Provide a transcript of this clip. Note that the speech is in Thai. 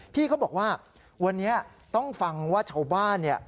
พี่เขาบอกว่าวันนี้ต้องฟังว่าชาวบ้านเนี่ย